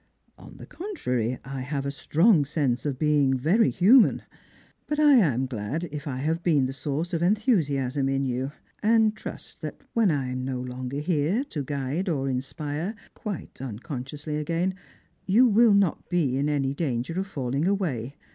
" On the contrary, I have a strong sense of being very human. But I am glad if I have been the source of enthusiasm in you, and trust that when 1 am no longer here to guide or inspire — quite unconsciouslf again — you will not be in any danger of falling away.